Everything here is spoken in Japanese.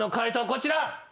こちら。